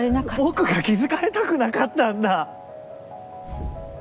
僕が気付かれたくなかったんだ！